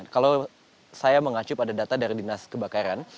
kalau saya mengacu pada data dari dinas kebakaran